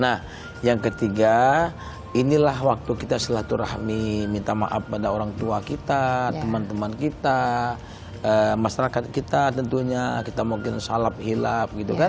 nah yang ketiga inilah waktu kita silaturahmi minta maaf pada orang tua kita teman teman kita masyarakat kita tentunya kita mungkin salab hilaf gitu kan